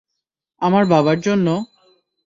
আমার বাবার জন্য?